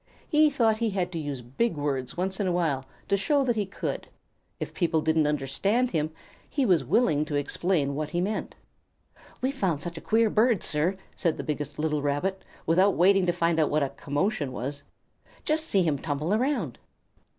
He thought he had to use big words once in a while to show that he could. If people didn't understand them, he was willing to explain what he meant. "We've found such a queer bird, sir," said the biggest little Rabbit, without waiting to find out what a "commotion" was. "Just see him tumble around!"